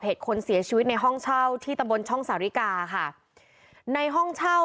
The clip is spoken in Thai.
เหตุคนเสียชีวิตในห้องเช่าที่ตำบลช่องสาริกาค่ะในห้องเช่า